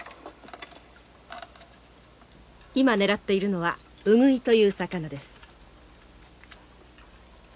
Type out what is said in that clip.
今狙っているのはウグイという魚です。